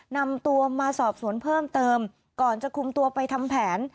นำตัวมาสอบสวนเพิ่มเติมก่อนจะคุมตัวไปทำแผน